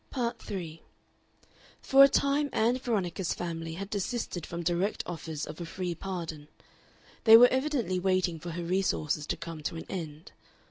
Part 3 For a time Ann Veronica's family had desisted from direct offers of a free pardon; they were evidently waiting for her resources to come to an end.